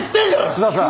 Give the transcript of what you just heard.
楠田さん。